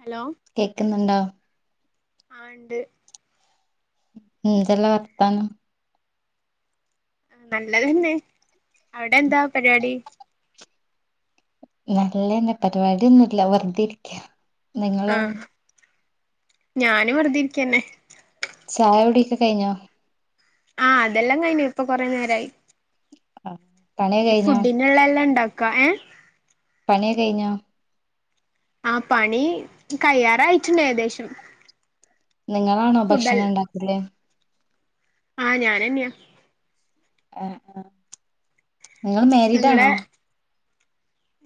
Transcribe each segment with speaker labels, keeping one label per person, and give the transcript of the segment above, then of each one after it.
Speaker 1: Hello
Speaker 2: കേക്കുന്നുണ്ടോ
Speaker 1: ആഹ് ഇണ്ട്
Speaker 2: ഉം ന്തല്ല വർത്താനം
Speaker 1: നല്ലതന്നെ അവിടെ എന്താ പരിപാടി
Speaker 2: നല്ലതന്നെ പരിപാടിയൊന്നുല്ല വെർതെഇരിക്ക
Speaker 1: ആഹ് ഞാനും വെറുതെയിരിക്കന്നെ
Speaker 2: ചായ കുടിക്കെ കഴിഞ്ഞോ
Speaker 1: ആഹ് അതെല്ലാം കഴഞ്ഞു ഇപ്പൊ കൊറെ നേരായി
Speaker 2: ആഹ്
Speaker 1: ഈ ഫുഡിനുള്ള എല്ലാം ഉണ്ടാക്ക ഏഹ്
Speaker 2: പണിയെക്കെ കഴിഞ്ഞോ
Speaker 1: ആഹ് പണി കയ്യാറായിട്ടുണ്ട് ഏകദേശം
Speaker 2: നിങ്ങളാണോ ഭക്ഷണം
Speaker 1: ഫുഡല്ല
Speaker 2: ഉണ്ടാക്കല്
Speaker 1: ആഹ് ഞാനെന്നെയ
Speaker 2: ആഹ് ആഹ്
Speaker 1: നിങ്ങളെ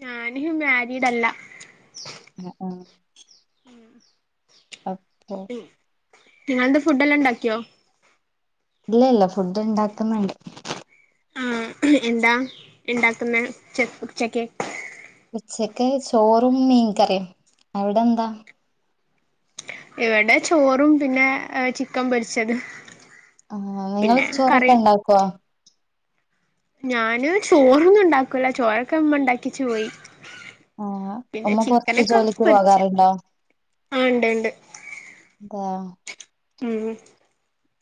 Speaker 1: ഞാന് മാരിഡല്ല
Speaker 2: ആഹ് ആഹ്
Speaker 1: ഉം
Speaker 2: [unintelligible]
Speaker 1: നിങ്ങളെന്താ ഫുഡ് എല്ലാം ണ്ടാക്കിയോ
Speaker 2: ഇല്ലല്ല ഫുഡ് ണ്ടാക്ക്ന്നണ്ട്
Speaker 1: ഉം എന്താ ഇണ്ടാക്കുന്നെ ഉച്ച ഉച്ചക്ക്‌
Speaker 2: ഉച്ചക്ക് ചോറും മീൻകറീം അവിടെന്താ
Speaker 1: ഇവിടെ ചോറും പിന്നെ ചിക്കൻ പൊരിച്ചത്
Speaker 2: ആഹ് നിങ്ങള്
Speaker 1: പിന്നെ
Speaker 2: ചോറൊക്കെ
Speaker 1: കറി
Speaker 2: ഇണ്ടാക്കുവാ
Speaker 1: ഞാന് ചോറൊന്നും ണ്ടാക്കൂല്ല ചോറൊക്കെ മ്മ ഉണ്ടാക്യച്ചു പോയി
Speaker 2: ആ,
Speaker 1: പിന്നെ
Speaker 2: ഉമ്മ പുറത്ത്
Speaker 1: ചിക്കനൊക്കെ
Speaker 2: ജോലിക്ക്
Speaker 1: പൊര്ച്ച്
Speaker 2: പോകാറുണ്ടോ
Speaker 1: ആഹ് ണ്ട് ണ്ട്
Speaker 2: ആഹ്
Speaker 1: ഉം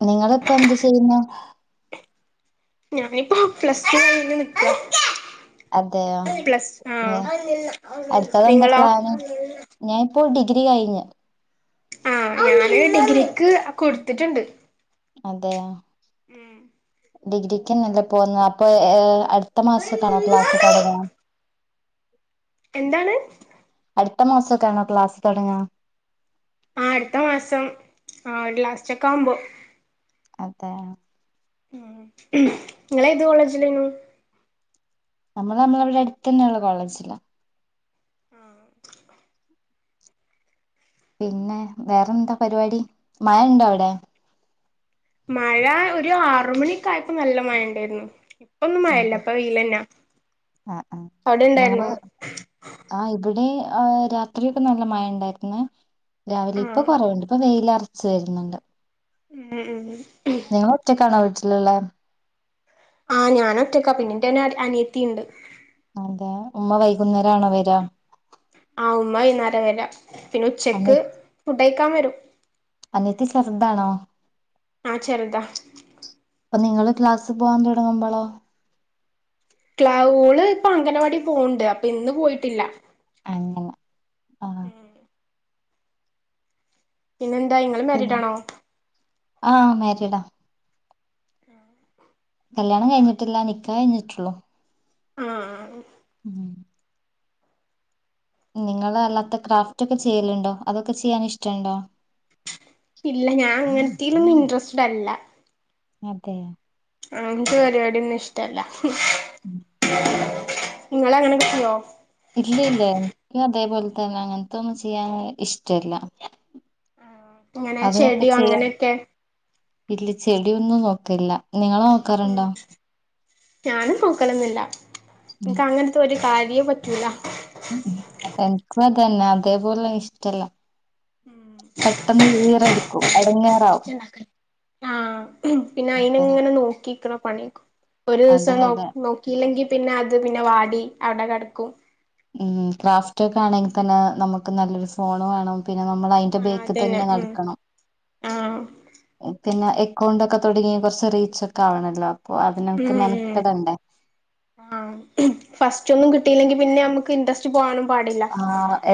Speaker 2: നിങ്ങളിപ്പ എന്ത് ചെയ്യുന്നു
Speaker 1: ഞാനിപ്പോ പ്ലസ് ടു കഴിഞ്ഞ് നിക്ക
Speaker 2: അതെയോ
Speaker 1: പ്ലസ്
Speaker 2: ഏ,
Speaker 1: ആഹ് നിങ്ങളോ
Speaker 2: ഞാൻ ഇപ്പോ ഡിഗ്രി കയിഞ്ഞ്
Speaker 1: ആഹ് ഞാന് ഡിഗ്രിക്ക് കൊടുത്തിട്ടുണ്ട്
Speaker 2: അതെയ
Speaker 1: ഉം
Speaker 2: ഡിഗ്രിക്ക് നല്ലെ പോന്ന അപ്പൊ ഏഹ് അട്ത്ത മാസകാണോ ക്ലാസ്സ് തോടങ്ങ [inaudible]
Speaker 1: എന്താണ്
Speaker 2: അടുത്ത മാസോക്കാണോ ക്ലാസ്സ് തൊടങ്ങാ
Speaker 1: ആഹ് അട്ത്ത മാസം ആഹ് ലാസ്റ്റ് ഒക്കെ ആവുമ്പോ
Speaker 2: അതേ
Speaker 1: ഉം ഇങ്ങള് ഏത് കോളേജിലേനു
Speaker 2: നമ്മള് നമ്മളെവടെ അടുത്ത്ന്നെള്ള കോളേജ്ല.
Speaker 1: ആഹ്.
Speaker 2: പിന്നെ വേറെന്താ പരിപാടി മഴെണ്ടോ അവിടെ
Speaker 1: മഴ ഒരു ആറ് മണിക്കായപ്പോ നല്ല മഴ എണ്ടേയിരുന്നു. ഇപ്പൊന്നും
Speaker 2: അതെ
Speaker 1: മഴയില്ല ഇപ്പൊ വെയിലന്നാ
Speaker 2: ആഹ്
Speaker 1: അവ്ടെ ഇണ്ടായിരുന്നോ
Speaker 2: ആഹ് ഇവിടേ ആഹ് രാത്രിയൊക്കെ നല്ല മഴ ഇണ്ടായിര്ന്ന്. രാവിലെ ഇപ്പ
Speaker 1: ആഹ്
Speaker 2: കൊറവെണ്ട് ഇപ്പൊ വെയിലറച്ച് വെര്ന്നെണ്ട്.
Speaker 1: [unintelligible]
Speaker 2: നിങ്ങള് ഒറ്റക്കാണോ വീട്ട്ലിള്ളത്
Speaker 1: ആഹ് ഞാനൊറ്റക്കാ പിന്നിന്റെനെ അനിയത്തീണ്ട്.
Speaker 2: അതേ ഉമ്മ വൈകുന്നേരം ആണോ വെരാ
Speaker 1: ആഹ് ഉമ്മ വൈന്നേരാ വരാ പിന്നെ
Speaker 2: അനി
Speaker 1: ഉച്ചക്ക് ഫുഡയ്ക്കാൻ വരും.
Speaker 2: അനിയത്തി ചെർതാണോ
Speaker 1: ആഹ് ചെറ്താ
Speaker 2: അപ്പ നിങ്ങള് ക്ലാസ്സി പോവാൻ തൊടങ്ങുമ്പളോ
Speaker 1: [unintelligible] ഇപ്പൊ അംഗനവാടി പോണെണ്ട് അപ്പൊ ഇന്ന് പോയിട്ടില്ല.
Speaker 2: അങ്ങനെ ആഹ്
Speaker 1: പിന്നെ എന്തായ് ഇങ്ങള് മാരീഡാണോ?
Speaker 2: ആഹ് മാരീഡാ കല്യാണം കഴിഞ്ഞിട്ടില്ല നിക്കാഹ് കയിഞ്ഞിട്ടുള്ളൂ.
Speaker 1: ആഹ്
Speaker 2: ഉം നിങ്ങള് അല്ലാത്ത ക്രാഫ്റ്റ് ഒക്കെ ചെയ്യലിണ്ടോ അതൊക്കെ ചെയ്യാന് ഇഷ്ട്ടിണ്ടോ
Speaker 1: ഇല്ല ഞാൻ അങ്ങൻത്തേലൊന്നും ഇൻട്രസ്റ്റഡല്ല.
Speaker 2: അതേ
Speaker 1: അങ്ങൻത്തെ പരിപാടിയൊന്നും ഇഷ്ടല്ല
Speaker 2: ഉം.
Speaker 1: ഇങ്ങളങ്ങനൊക്കെ ചെയ്യോ
Speaker 2: ഇല്ല ഇല്ല എനിക്കും അതേപോലെ തന്നെ അങ്ങനത്തൊന്നും ചെയ്യാൻ ഇഷ്ട്ടില്ല.
Speaker 1: ഇങ്ങനെ ചെടി അങ്ങനെയൊക്കെ
Speaker 2: ഇല്ല ചെടിയൊന്നും നോക്കലില്ല നിങ്ങളോ?
Speaker 1: ഉം ഞാനും നോക്കലോന്നുല്ല
Speaker 2: ഉം.
Speaker 1: ഇൻക്ക്ങ്ങന ത്തൊരു കാര്യോം പറ്റൂലാ.
Speaker 2: എനിക്കും അതന്നെ അതേപോലെ ഇഷ്ടല്ല. പെട്ടെന്ന് വീറെ എടുക്കും എടങ്ങേ
Speaker 1: ആഹ് പിന്നെ
Speaker 2: അതെ
Speaker 1: അയിനിങ്ങനെ നോക്കിക്കണം പണിയക്ക
Speaker 2: അതെ
Speaker 1: ഒരോസം നോ
Speaker 2: അതെ
Speaker 1: നോക്കിയില്ലെങ്കി പിന്നെ അത് പിന്നെ വാടി അവടെ കെടക്കും
Speaker 2: ഉം ക്രാഫ്റ്റ് ഒക്കെ ആണെങ്കി തന്നേ നമുക്ക് നല്ലൊരു ഫോണ് വേണം. പിന്നെ നമ്മള് അതിന്റെ
Speaker 1: ആഹ്
Speaker 2: ബേ‌ക്കി
Speaker 1: അതന്നെ
Speaker 2: തന്നെ
Speaker 1: ഉം
Speaker 2: നടക്കണം.
Speaker 1: ആഹ്
Speaker 2: പിന്നെ എക്കൗണ്ട് ഒക്കെ തൊടങ്ങി കൊറ്ച്ച് റീച്ച് ഒക്കെ ആവണല്ലോ അപ്പൊ അതിനക്കെ
Speaker 1: ഉം ഉം
Speaker 2: മെനക്കടണ്ടേ.
Speaker 1: ആഹ് ഫസ്റ്റ് ഒന്നും കിട്ടീല്ലെങ്കി പിന്നെ അമ്മ്ക്ക് ഇൻട്രസ്റ്റ് പോകാനും പാടില്ല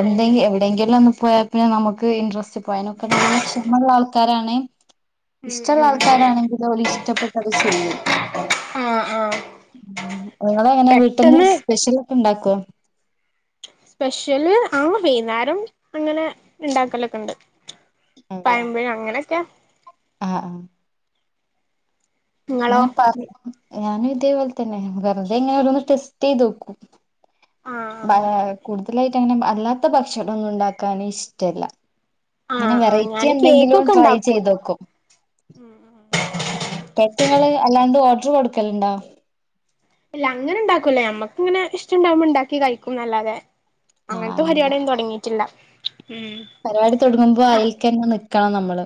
Speaker 1: [unintelligible]
Speaker 2: എങ്കിലും ഒന്ന് പോയാ പിന്നെ നമുക്ക് ഇൻട്രസ്റ്റ് പോകും അതിനൊക്കെ നല്ല ക്ഷമെള്ള ആൾക്കാരാണേ
Speaker 1: ഉം
Speaker 2: ഇഷ്ട്ടൊള്ള
Speaker 1: ഉം
Speaker 2: ആൾക്കാരാണെങ്കില് ഓല് ഇഷ്ടപ്പെട്ടത് ചെയ്യും
Speaker 1: ആഹ് ആഹ്
Speaker 2: ഉം ഇങ്ങളെങ്ങനാ വീട്ടിന്ന്
Speaker 1: പെട്ടെന്ന്
Speaker 2: സ്പെഷ്യലൊക്കെ ഇണ്ടാക്കോ
Speaker 1: സ്പെഷ്യല് ആഹ് വൈന്നേരം അങ്ങനെ ഇണ്ടാക്കലൊക്കെണ്ട് പഴംപൊരി അങ്ങനൊക്കെ
Speaker 2: ആഹ് ആഹ്
Speaker 1: ഇങ്ങളോ
Speaker 2: ഇങ്ങനെ പറയും ഞാനും ഇതേപോലെ തന്നെ വെറുതെ ഇങ്ങനോരോന്ന് ടെസ്റ്റെയ്ത് നോക്കും ആഹ് കൂടുതലായിട്ട് അങ്ങനെ അല്ലാത്ത ഭക്ഷണമൊന്നും ഉണ്ടാക്കാൻ ഇഷ്ടല്ല ഇങ്ങനെ
Speaker 1: ആഹ് ആഹ്
Speaker 2: വെറൈറ്റി
Speaker 1: ഞാന്
Speaker 2: എന്തെങ്കിലും
Speaker 1: കേക്കൊക്കെ
Speaker 2: ട്രൈ
Speaker 1: ഇണ്ടാക്കും
Speaker 2: ചെയ്ത് നോക്കും പുറത്ത് നിങ്ങള് അല്ലാണ്ട് ഓർഡർ കൊടുക്കലുണ്ടോ
Speaker 1: ഇല്ല അങ്ങനെ ഉണ്ടാക്കൂല നമ്മക്ക് അങ്ങനെ ഇഷ്ടമുണ്ടാകുമ്പോൾ ഉണ്ടാക്കി കഴിക്കും എന്നല്ലാതെ
Speaker 2: ആഹ്
Speaker 1: അങ്ങനത്തെ
Speaker 2: അങ്ങനെ
Speaker 1: പരിപാടിയൊന്നും തുടങ്ങിയിട്ടില്ല ഉം
Speaker 2: പരിപാടി തുടുങ്ങുമ്പോ അതിൽ തന്നെ നിൽക്കണം നമ്മള്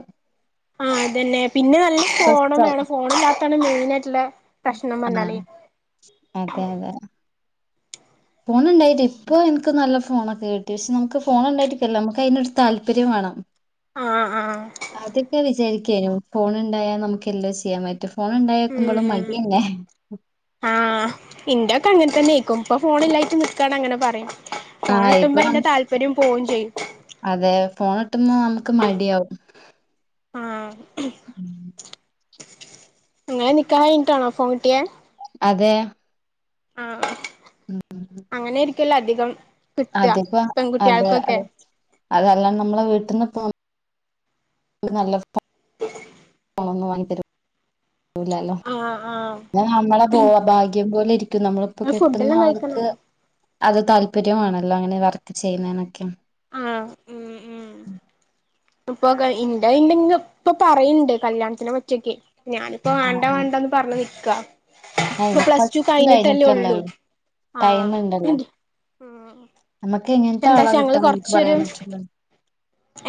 Speaker 1: ആ അതന്നെ പിന്നെ നല്ല ഫോണും വേണം
Speaker 2: സ്ട്രെസ്സാവും
Speaker 1: ഫോണില്ലാത്തതാണ് മെയിൻ ആയിട്ടുള്ള പ്രശ്നം പറഞ്ഞാല്
Speaker 2: ആഹ് അതെ അതെ ഫോൺ ഉണ്ടായിട്ട് ഇപ്പോൾ എനിക്ക് നല്ല ഫോണൊക്കെ കിട്ടി പക്ഷെ നമുക്ക് ഫോണുണ്ടായിട്ടല്ല നമുക്ക് അതിനൊരു താല്പര്യം വേണം [unintelligible]
Speaker 1: ആഹ് ആഹ്
Speaker 2: ആദ്യമൊക്കെ വിചാരിക്കുവാരുന്നു ഫോൺ ഉണ്ടായാൽ നമുക്ക് എല്ലാം ചെയ്യാൻ പറ്റും ഫോൺ
Speaker 1: ഉം
Speaker 2: ഉണ്ടായിരിക്കുമ്പോളും
Speaker 1: ഉം
Speaker 2: മടിതന്നെ
Speaker 1: ആഹ് ഇൻ്റെഒകെ അങ്ങനെ തന്നെ നിക്കും ഇപ്പൊ ഫോണില്ലായിട്ട് നിക്കാണ് അങ്ങനെ പറയും
Speaker 2: ആഹ്
Speaker 1: ഫോൺകിട്ടുമ്പോ
Speaker 2: ഇപ്പൊ നമ്മ
Speaker 1: അതിന്റെ താല്പര്യം പോവുകയും ചെയ്യും
Speaker 2: അതെ ഫോൺ കിട്ടുമ്പോൾ നമുക്ക് മടിയാവും
Speaker 1: ആഹ് നിങ്ങടെ നിക്കാഹ് കഴിഞ്ഞിട്ടാണോ ഫോൺ കിട്ടിയേ
Speaker 2: അതെ
Speaker 1: ആഹ് ആഹ് അങ്ങനെയായിരിക്കുവല്ലോ അധികം കിട്ടുക
Speaker 2: അതിപ്പോ അതെ
Speaker 1: പെൺകുട്ടികൾക്കൊക്കെ
Speaker 2: അത് അതെല്ലാം നമ്മള് വീട്ടിൽനിന്ന് പോ നല്ല ഫോ
Speaker 1: [unintelligible]
Speaker 2: ഫോൺ ഒന്നും വാങ്ങി തരൂല്ലല്ലോ
Speaker 1: ആഹ് ആഹ്
Speaker 2: എല്ലാം നമ്മളെ പോ ഭാഗ്യം പോലെ ഇരിക്കും നമ്മളിപ്പോ
Speaker 1: ങ്ങള്
Speaker 2: കെട്ടുന്ന
Speaker 1: ഫുഡെല്ലാം
Speaker 2: ആൾക്ക്
Speaker 1: കഴിക്കണായോ
Speaker 2: അത് താല്പര്യം വേണമല്ലോ അങ്ങനെ വർക്ക് ചെയ്യുന്നേനൊക്കെ
Speaker 1: ആഹ് ഉം ഉം ഇപ്പൊ ഉണ്ട് ഉണ്ടെന്നൊക്കെ ഇപ്പൊ പറയണ്ട് കല്യാണത്തിന് പറ്റൊക്കെ ഞാൻ ഇപ്പൊ
Speaker 2: ആഹ്
Speaker 1: വേണ്ട
Speaker 2: ആഹ്
Speaker 1: വേണ്ടന്ന് പറഞ്ഞു നിൽക്കുവാ ഇപ്പൊ
Speaker 2: ഇനി
Speaker 1: പ്ലസ് ടു
Speaker 2: ഫസ്റ്റ്
Speaker 1: കഴിഞ്ഞിട്ടല്ലേ ഉള്ളൂ
Speaker 2: കഴിഞ്ഞിട്ടല്ലേള്ളൂ
Speaker 1: ആഹ്
Speaker 2: ടൈം ഉണ്ടല്ലോ നമുക്ക്
Speaker 1: പക്ഷെ
Speaker 2: എങ്ങനത്തെ ആളാ
Speaker 1: എന്താച്ചാ ഞങ്ങള്
Speaker 2: കിട്ടാന്ന് നമുക്ക്
Speaker 1: കൊറച്ചൊരു
Speaker 2: പറയാൻ പറ്റൂല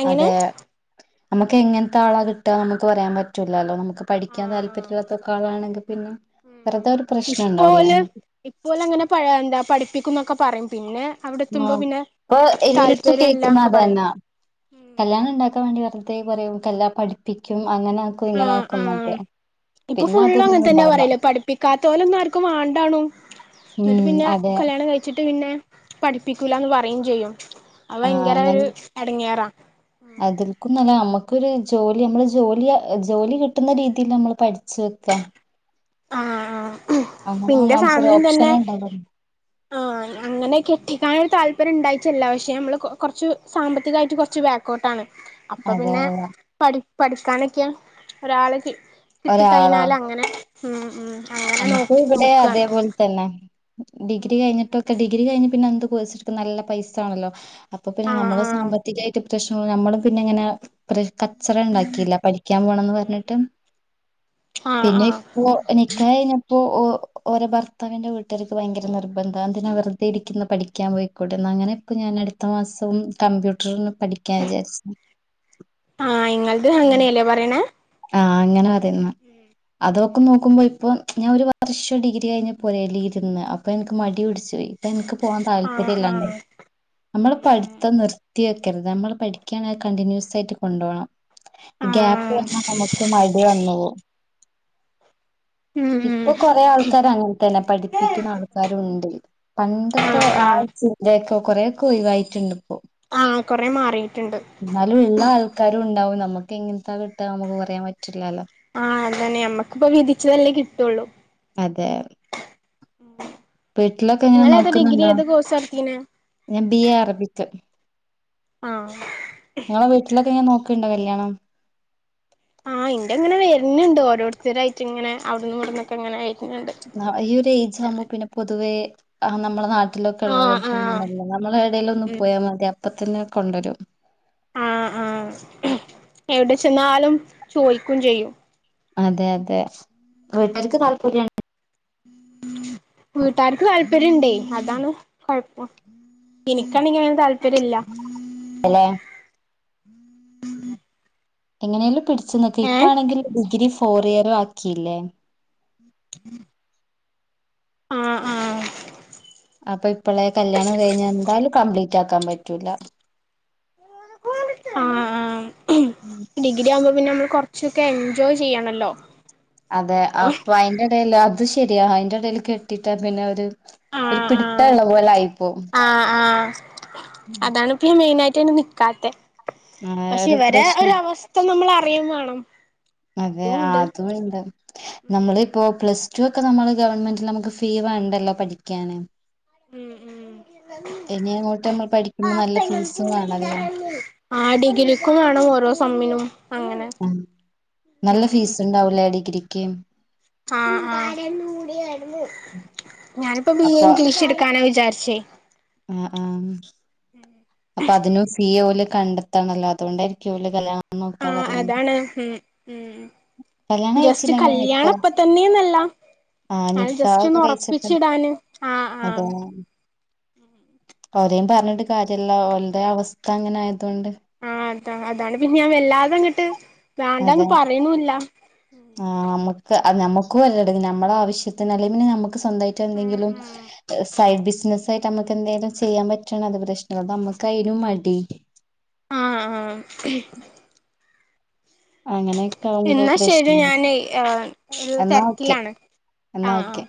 Speaker 1: എങ്ങനെ
Speaker 2: അതെ നമുക്ക് എങ്ങനത്തെ ആളാ കിട്ടാന്ന് നമുക്ക് പറയാൻ പറ്റൂല്ലല്ലോ നമുക്ക് പഠിക്കാൻ
Speaker 1: ആഹ് ആഹ്
Speaker 2: താല്പര്യമില്ലാത്തൊക്കെ ആളാണെങ്കിൽ പിന്നെ
Speaker 1: ഉം
Speaker 2: വെറുതെ
Speaker 1: ഉം
Speaker 2: ഒരു പ്രശ്നം
Speaker 1: ഇപ്പോ
Speaker 2: ഉണ്ടാവൂലേ
Speaker 1: ഓര് ഇപ്പോ ഓര് അങ്ങനെ എന്താ പഠിപ്പിക്കുവെന്ന് ഒക്കെ പറയും പിന്നെ അവിടെ
Speaker 2: ആ
Speaker 1: എത്തുമ്പോ പിന്നെ
Speaker 2: ഇപ്പൊ എല്ലാടത്തും
Speaker 1: താല്പര്യം
Speaker 2: കേൾക്കുന്നത്
Speaker 1: ഇല്ലാന്നൊക്കെ
Speaker 2: അത്
Speaker 1: പറയും
Speaker 2: തന്നാ
Speaker 1: ഉം
Speaker 2: കല്യാണം ഉണ്ടാക്കാൻ വേണ്ടി വെറുത പറയും എല്ലാ പഠിപ്പിക്കും അങ്ങനെ ആക്കും ഇങ്ങനെ
Speaker 1: ആഹ്
Speaker 2: ആക്കും എന്നൊക്കെ
Speaker 1: ആഹ് ഇപ്പൊ
Speaker 2: പിന്നെ
Speaker 1: ഫുള്ള്
Speaker 2: അതൊന്നും
Speaker 1: അങ്ങനെ തന്നെയാ
Speaker 2: ഉണ്ടാവില്ല.
Speaker 1: പറയല് പഠിപ്പിക്കാത്തോരെയൊന്നും ആർക്കും വേണ്ടാണു
Speaker 2: ഉം
Speaker 1: എന്നിട്ട് പിന്നെ
Speaker 2: അതെ.
Speaker 1: കല്യാണം കഴിച്ചിട്ട് പിന്നെ പഠിപ്പിക്കൂല എന്ന് പറയുകയും ചെയ്യും അത് ഭയങ്കര ഒരു എടങ്ങേറാ
Speaker 2: അതിൽക്കുംന്നല്ല നമ്മുക്കൊരു ജോലി നമ്മള് ജോലി ജോലി കിട്ടുന്ന രീതിയിൽ നമ്മൾ പഠിച്ചു വെക്കാ
Speaker 1: ആഹ് ആഹ് ആഹ്
Speaker 2: അങ്ങനെ
Speaker 1: നിന്റെ
Speaker 2: നമുക്കൊരു
Speaker 1: ഫാമിലിയും
Speaker 2: ഓപ്ഷൻ
Speaker 1: തന്നെ
Speaker 2: ഇണ്ടാവോ
Speaker 1: ആഹ് അങ്ങനെ കെട്ടിക്കാനൊരു താല്പര്യം ഉണ്ടായിട്ടല്ല പക്ഷേ നമ്മൾ കൊറച്ച് സാമ്പത്തികായിട്ട് കുറച്ച് ബാക്കോട്ടാണ് അപ്പൊ
Speaker 2: അതെ
Speaker 1: പിന്നെ
Speaker 2: അതെ
Speaker 1: പഠി പഠിക്കാനൊക്കെ ഒരാള് കിട്ടി
Speaker 2: ഒരാളാ
Speaker 1: കഴിഞ്ഞാലങ്ങനെ ഉം ഉം അങ്ങനെ നോ
Speaker 2: നമുക്ക് ഇവിടെ
Speaker 1: നോക്കാണ്
Speaker 2: അതേപോലെ തന്നെ ഡിഗ്രി കഴിഞ്ഞിട്ട് ക്കെ ഡിഗ്രി കിഞ് പിന്നെന്ത് നല്ല കൊയ്സ്‌ട്ക്കാൻ പൈസ ആണല്ലോ അപ്പൊ പിന്നെ
Speaker 1: ആഹ്
Speaker 2: നമ്മള്
Speaker 1: ആഹ്
Speaker 2: സാമ്പത്തികായിട്ട് ശ്ന നമ്മളും പിന്നെ ഇങ്ങനെ കച്ചറ ഉണ്ടാക്കിയില്ല പഠിക്കാൻ പോകണംന്ന് പറഞ്ഞിട്ട്
Speaker 1: ആഹ്
Speaker 2: പിന്നെ
Speaker 1: ആഹ്
Speaker 2: ഇപ്പോ നി നിക്കാഹ് കഴിഞ്ഞപ്പോൾ ഓരെ ഭർത്താവിന്റെ വീട്ടുകാർക്ക് ഭയങ്കര നിർബന്ധം എന്തിനാ വെറുതെ ഇരിക്കുന്നെ പഠിക്കാൻ പോയി കോട്ടെ അങ്ങനെ ഇപ്പോ ഞാൻ അടുത്ത മാസം കമ്പ്യൂട്ടറിന് പഠിക്കാന്ന് വിചാരിച്ച്
Speaker 1: ആഹ് ങ്ങൾത് അങ്ങനെയല്ലേ പറയണ
Speaker 2: ആഹ് അങ്ങനെ മതിന്ന് അതൊക്കെ നോക്കുമ്പോ ഇപ്പൊ ഞാൻ ഒരു വർഷ ഡിഗ്രി കഴിഞ്ഞ പുരേലിരുന്ന് അപ്പൊ ൻക്ക് മടി പിടിച്ച് ഇപ്പൊ ൻക്ക് പോവാൻ
Speaker 1: ആഹ്
Speaker 2: താല്പര്യം ഇല്ലാണ്ടായി
Speaker 1: ആഹ്
Speaker 2: നമ്മള് പഠിത്ത നിർ വക്കരുത് നമ്മൾ പഠിക്ക കണ്ടിന്യൂസ് ആയിട്ട് കൊണ്ട പോണം ഗ്യാപ്പ്
Speaker 1: ആഹ്
Speaker 2: വന്ന ക്കെ മടി വന്നു
Speaker 1: ഉം ഉം
Speaker 2: ഇപ്പൊ
Speaker 1: ഉം
Speaker 2: കൊറേ ആൾക്കാര് അങ്ങനെ തന്നെ പഠിപ്പിക്കുന്ന ആൾക്കാരുണ്ട് പണ്ടൊക്കെ
Speaker 1: ആഹ്
Speaker 2: ആ
Speaker 1: ആഹ്
Speaker 2: ചിന്തയൊക്കെ കുറെ ക്കോയിവായിചട്ട്ണ്ട് പ്പൊ
Speaker 1: ആഹ് കൊറെ മാറിയിട്ടുണ്ട്
Speaker 2: ന്നാലും ള്ള ആൾക്കാരും ഉണ്ടാവും നമുക്ക് എങ്ങനത്തൊ കിട്ടാ നമുക്ക് പറയാൻ പറ്റില്ലല്ലോ
Speaker 1: ആഹ് അതന്നെ നമ്മക്കിപ്പ വിധിച്ചതല്ലേ കിട്ടുള്ളൂ
Speaker 2: അതെ വീട്ടിലൊക്കെ എങ്ങനെ നോക്കുന്നുണ്ടോ
Speaker 1: എ കോഴ്സാട്തീനെ
Speaker 2: ഞാൻ ബി എ അറബിക്ക്
Speaker 1: ആഹ്
Speaker 2: ങ്ങളെ വീട്ടിലക്കെങ്ങന നോക്ക്‌ണ്ടോ കല്യാണം
Speaker 1: ആഹ് ഇ്ന്റെങ്ങനെ വരുന്നുണ്ട് ഓരോരുത്തരായിട്ട് ങ്ങെനെ അവിടന്ന് നിന്ന് ഇവിടന്നൊക്കെ അങ്ങന
Speaker 2: ഈ ഒരു ഏജ് ആമ്പോ പിന്നെ പൊതുവേ ആ നമ്മളെ നാട്ടിൽ വീട്ടിലൊക്കെ ഉള്ള
Speaker 1: ആഹ് ആഹ്
Speaker 2: പോലല്ല നമ്മള എടൽ ഒന്നും പോയാ മതി അപ്പ തന്നെ കൊണ്ടുവരും
Speaker 1: ആഹ് ആഹ് എവിടെ ചെന്നാലും ചോയ്ക്കും ചെയ്യും
Speaker 2: അതെ അതെ വീട്ടാർക്ക് താല്പര്യമാണ്
Speaker 1: വീട്ടാർക്ക് താല്പര്യംണ്ടേ അതാണ് കൊയപ്പം എനിക്കാണെങ്ക അങ്ങനെ താല്പര്യം ഇല്ല
Speaker 2: ഇല്ല ലെ എങ്ങനെയല്ലും പിടിച്ചു നോക്ക ഇപ്പ
Speaker 1: ഏഹ്
Speaker 2: ആണെങ്കിൽ ഡിഗ്രി ഫോർ ഇയർ ആക്കിയില്ലേ
Speaker 1: [inaudible] ആഹ് ആഹ്
Speaker 2: അപ്പൊ ഇപ്പളെ കല്യാണം കഴിഞ്ഞ എന്താലും കംപ്ലീറ്റ് ആക്കാൻ പറ്റൂല
Speaker 1: ആഹ് ആഹ്
Speaker 2: ആഹ്
Speaker 1: ഡിഗ്രി ആകുമ്പോ പിന്നെ നമ്മൾ കുറച്ചൊക്കെ എൻജോയ് ചെയ്യണല്ലോ
Speaker 2: അതെ അപ്പൊ അയ്ന്റെ ഇടൽ അത് ശരിയാ അതിന്റെ ഇടൽ കെട്ടിട്ടാ പിന്നെ ഒരു ഒരു
Speaker 1: ആഹ്
Speaker 2: പിടിത്ത
Speaker 1: ആഹ്
Speaker 2: ഇള്ള പോലെ ആയിപ്പോവും
Speaker 1: മെയിനയിട്ടാണ് നിക്കാത്ത
Speaker 2: ആ
Speaker 1: പക്ഷെ
Speaker 2: ഒരു
Speaker 1: ഇവരെ ഒര
Speaker 2: പ്രശ്നം
Speaker 1: അവസ്ഥ നമ്മൾ അറിയും വേണം
Speaker 2: അതെ
Speaker 1: അതുണ്ട്
Speaker 2: അതും ഇണ്ട്
Speaker 1: ഉം
Speaker 2: നമ്മളിപ്പോ പ്ലസ് ടു ഒക്കെ നമ്മള് ഗവൺമെന്റ നമുക്ക് ഫീ വേണ്ടല്ലോ പഠിക്കാന്
Speaker 1: ഉം
Speaker 2: ഇനി അങ്ങോട്ട് നമ്മൾ പഠിക്കുമ്പോ നല്ല ഫീസും വേണല്ലോ
Speaker 1: ആ ഡിഗ്രിക്കും വേണം ഓരോ സമ്മിനും അങ്ങനെ
Speaker 2: ആ നല്ല
Speaker 1: ഉം
Speaker 2: ഫീസ് ഉണ്ടാവൂലേ ഡിഗ്രിക്ക്
Speaker 1: ആഹ് ആഹ് ഞാനിപ്പോ ബി എ ഇംഗ്ലീഷ് എടുക്കാന വിചാരിച്ചേ
Speaker 2: ആഹ് ആഹ്
Speaker 1: [inaudible]
Speaker 2: അപ്പൊ അതിനും ഫീ ഓല് കണ്ടെത്തണല്ലോ അതുകൊണ്ടായിരിക്കും ഓല് കല്യാ
Speaker 1: ആഹ് അതാണ് ഉം ഉം
Speaker 2: കല്യാണം
Speaker 1: ജസ്റ്റ്
Speaker 2: കഴിച്ചില്ലെങ്കിൽ നിക്കാ
Speaker 1: കല്യാണപ്പത്തന്നെന്നല്ല
Speaker 2: ആ
Speaker 1: അത് ജസ്റ്റൊന്ന്
Speaker 2: നിക്കാഹൊക്കെ കഴിച്ചിട്ട്
Speaker 1: ഒറപ്പിച്ചിടാന് ആഹ്
Speaker 2: അതെ
Speaker 1: ആഹ്
Speaker 2: ഓരേം പറഞ്ഞിട്ട് കാര്യല്ല ഓൽടെ അവസ്ഥ അങ്ങനെ ആയതൊണ്ട്
Speaker 1: ആഹ് അതാ അതാണ് പിന്നെ ഞാൻ വല്ലാതെ അങ്ങിട്ട് വേണ്ടന്ന് പറയണുല്ല
Speaker 2: ആഹ് ഞമ്മക്ക് അത് ഞമ്മക്കു വല്ലട നമ്മള ആവശ്യത്തിനല്ലേ പിന്നെ ഞമ്മ ക്ക് സ്വന്തായിട്ട് എന്തെങ്കിലും സൈഡ് ബിസിനസ് ആയി്ട്ട് നമക്ക് എന്തെങ്കാലും ചെയ്യാൻ പറ്റണ അത് പ്രശ്നമ നമുക്ക്തിനും മടി
Speaker 1: ആഹ് ആഹ്
Speaker 2: അങ്ങനെയൊക്കെ ആകുമ്പോ
Speaker 1: എന്നാ ശരി
Speaker 2: പ്രശ്നം
Speaker 1: ഞാന് ഒരു
Speaker 2: എന്നാ ഓക്കെ
Speaker 1: തിരക്കിലാണ് ആ
Speaker 2: എന്നാ
Speaker 1: ആ
Speaker 2: ഓക്കെ